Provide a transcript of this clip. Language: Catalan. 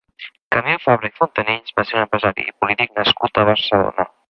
Camil Fabra i Fontanills va ser un empresari i polític nascut a Barcelona.